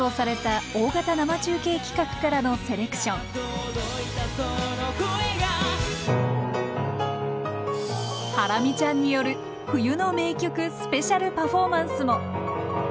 去年放送されたハラミちゃんによる冬の名曲スペシャルパフォーマンスも。